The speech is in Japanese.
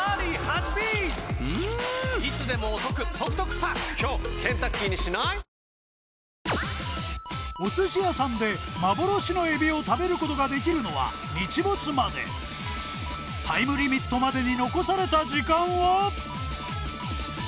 果たしてお寿司屋さんで幻のエビを食べることができるのは日没までタイムリミットまでに残された時間は？